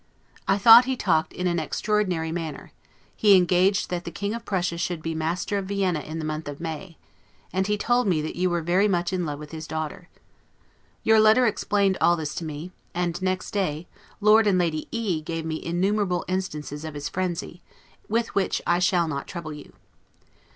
I thought he talked in an extraordinary manner; he engaged that the King of Prussia should be master of Vienna in the month of May; and he told me that you were very much in love with his daughter. Your letter explained all this to me; and next day, Lord and Lady E gave me innumerable instances of his frenzy, with which I shall not trouble you.